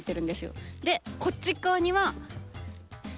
でこっち側には。